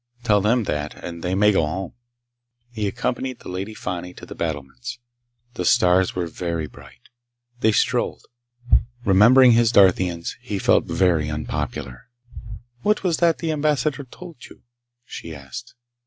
Tell them that and they may go home." He accompanied the Lady Fani to the battlements. The stars were very bright. They strolled. Remembering his Darthians, he felt very unpopular. "What was that the Ambassador told you?" she asked.